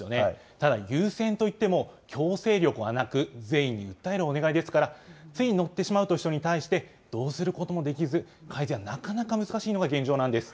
ただ優先といっても、強制力はなく、善意に訴えるお願いですから、つい乗ってしまうという人に対して、どうすることもできず、改善はなかなか難しいのが現状なんです。